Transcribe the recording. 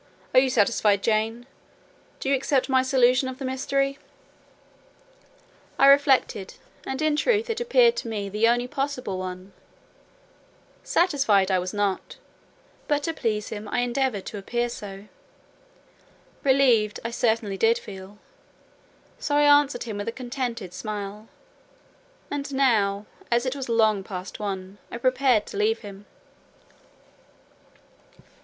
Are you satisfied, Jane? Do you accept my solution of the mystery?" I reflected, and in truth it appeared to me the only possible one: satisfied I was not, but to please him I endeavoured to appear so—relieved, I certainly did feel; so I answered him with a contented smile. And now, as it was long past one, I prepared to leave him.